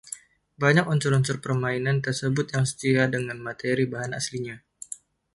Banyak unsur-unsur permainan tersebut yang setia dengan materi bahan aslinya.